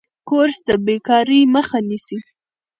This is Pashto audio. کورس د بیکارۍ مخه نیسي.